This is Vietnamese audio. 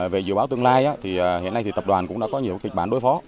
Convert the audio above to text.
về dự báo tương lai thì hiện nay thì tập đoàn cũng đã có nhiều kịch bản đối phó